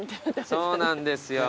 そうなんですよ。